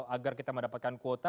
agar kita mendapatkan kuota